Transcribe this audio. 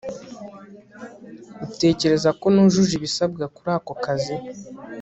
uratekereza ko nujuje ibisabwa kuri ako kazi